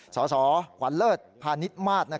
สสหวันเลิศพาณิชมาศ